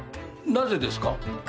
なぜですか？